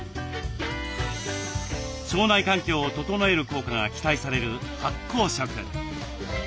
腸内環境を整える効果が期待される発酵食。